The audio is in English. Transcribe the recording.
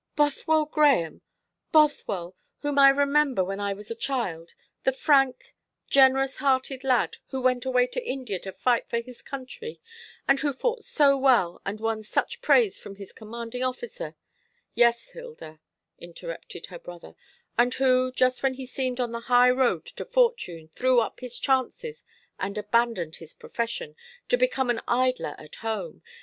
Bothwell Grahame Bothwell, whom I remember when I was a child, the frank, generous hearted lad, who went away to India to fight for his country, and who fought so well, and won such praise from his commanding officer " "Yes, Hilda," interrupted her brother, "and who, just when he seemed on the high road to fortune, threw up his chances, and abandoned his profession, to become an idler at home.